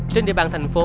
trên địa bàn thành phố